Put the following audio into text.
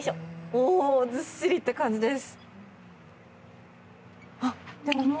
おー、ずっしりって感じです！